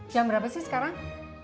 jam berapa sih sekarang